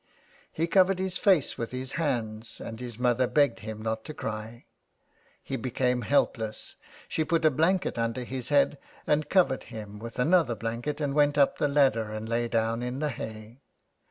He covered his face with his hands and his mother begged him not to cry. He became helpless, she put a blanket under his head and covered him with another blanket, and went up the ladder and lay down in the hay.